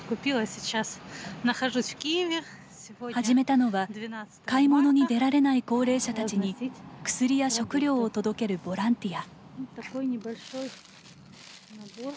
始めたのは買い物に出られない高齢者たちに薬や食料を届けるボランティア。